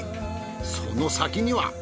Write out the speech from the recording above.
その先には。